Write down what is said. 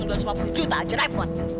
uang dua ratus lima puluh juta aja naif kok